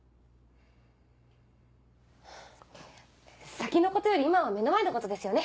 先のことより今は目の前のことですよね！